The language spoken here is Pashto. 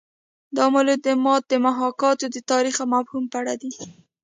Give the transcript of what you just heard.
دا معلومات د محاکات د تاریخ او مفهوم په اړه دي